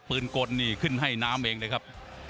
กลนี่ขึ้นให้น้ำเองเลยครับ